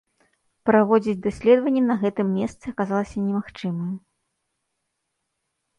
Праводзіць даследаванні на гэтым месцы аказалася немагчымым.